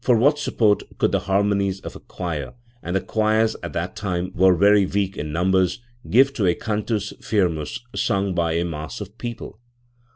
33 what support could the harmonies of a choir and the choirs at that time were very weak In numbers give to a cantus firmus sung by a mass of people?